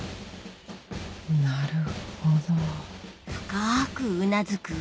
なるほど。